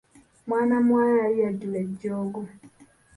Mwana muwala yali yajjula ejjoogo.